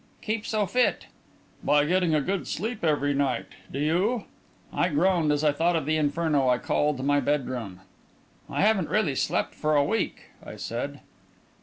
"Keep so fit." "By getting a good sleep every night. Do you?" I groaned as I thought of the inferno I called my bedroom. "I haven't really slept for a week," I said.